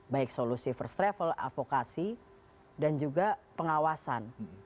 baik solusi first travel advokasi dan juga pengawasan